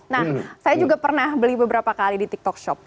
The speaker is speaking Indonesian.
nah saya juga pernah beli beberapa kali di tiktok shop